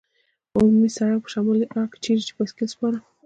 عمومي سړک په شمالي اړخ کې، چېرې چې بایسکل سپاره.